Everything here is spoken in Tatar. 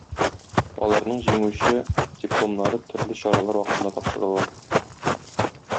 Аларның җиңүче дипломнары төрле чаралар вакытында тапшырылыр.